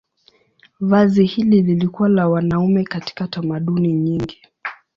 Vazi hili lilikuwa la wanaume katika tamaduni nyingi.